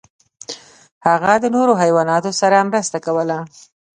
هغه د نورو حیواناتو سره مرسته کوله.